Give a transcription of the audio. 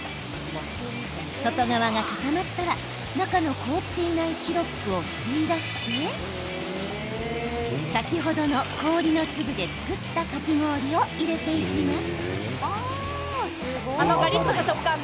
外側が固まったら中の凍っていないシロップを吸い出して先ほどの氷の粒で作ったかき氷を入れていきます。